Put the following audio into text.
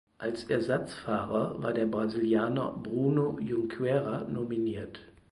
Als Ersatzfahrer war der Brasilianer Bruno Junqueira nominiert.